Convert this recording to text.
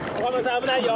危ないよ。